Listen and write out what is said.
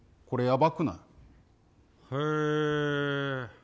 これ、やばくない？へえ。